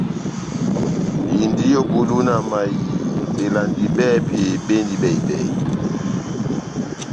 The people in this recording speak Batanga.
Indi ó bulu na mayiii belandi bɛ́hɛ́pi bendi bɛhi-bɛhi.